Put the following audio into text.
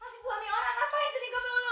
masih suami orang apa yang jadi kebelu lu